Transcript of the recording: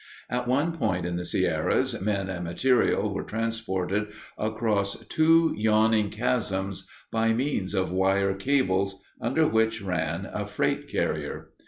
At one point in the Sierras men and material were transported across two yawning chasms by means of wire cables, under which ran a freight carrier.